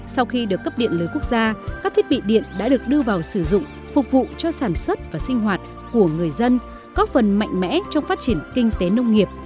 sau khi được cấp điện lưới quốc gia các thiết bị điện đã được đưa vào sử dụng phục vụ cho sản xuất và sinh hoạt của người dân góp phần mạnh mẽ trong phát triển kinh tế nông nghiệp